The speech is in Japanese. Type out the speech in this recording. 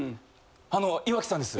あの岩城さんです。